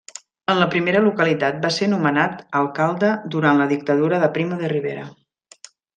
En la primera localitat va ser nomenat alcalde durant la Dictadura de Primo de Rivera.